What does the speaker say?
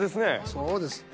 そうです。